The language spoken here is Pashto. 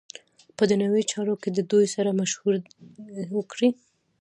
په دنیوی چارو کی ددوی سره مشوره وکړی .